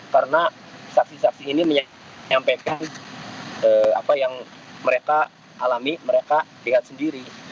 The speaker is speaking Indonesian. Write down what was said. karena saksi saksi ini menyampaikan apa yang mereka alami mereka dengan sendiri